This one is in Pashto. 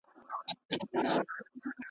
هسي نه چي یوه ورځ به له خپل سیوري سره ورک سې .